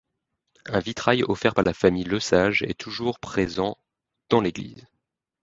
Un vitrail offert par la famille Lesage est toujours présent dans l'église.